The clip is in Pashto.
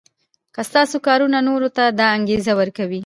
که ستاسو کارونه نورو ته دا انګېزه ورکړي.